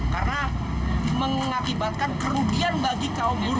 karena mengakibatkan kerugian bagi kaum buru